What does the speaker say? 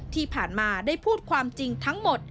ที่ผ่านมาได้พูดความจริงทั้งหมด